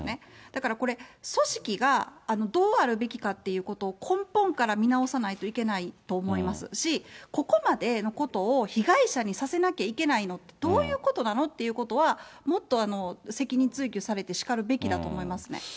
だから、これ、組織がどうあるべきかっていうことを、根本から見直さないといけないと思いますし、ここまでのことを被害者にさせなきゃいけないのは、どういうことなのっていうことは、もっと責任追及されてしかるべきだと思いますね。